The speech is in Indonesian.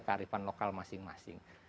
kearifan lokal masing masing